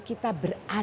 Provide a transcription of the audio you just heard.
kita berada di tujuan